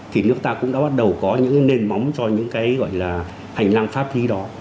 thì nước ta cũng đã bắt đầu có những nền móng cho những cái gọi là hành lang pháp lý đó